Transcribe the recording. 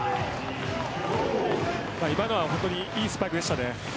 今のは本当にいいスパイクでした。